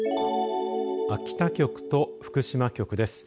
秋田局と福島局です。